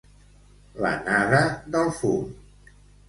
L'anada del fum.